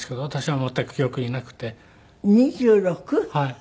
はい。